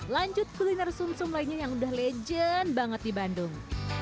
lanjut kuliner sum sum lainnya yang udah legend banget di bandung